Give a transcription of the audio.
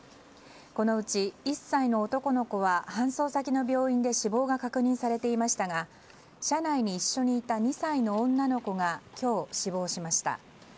このうち１歳の男の子は搬送先の病院で死亡が確認されていましたが車内に一緒にいた２歳の女の子が今日、死亡しました。